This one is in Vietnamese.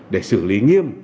để xử lý nghiêm